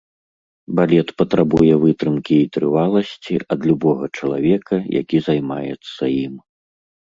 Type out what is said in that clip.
Балет патрабуе вытрымкі і трываласці ад любога чалавека, які займаецца ім.